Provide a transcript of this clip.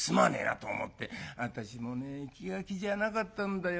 「私もね気が気じゃなかったんだよ。